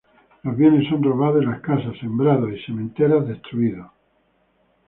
Los bienes son robados y las casas, sembrados y sementeras destruidos.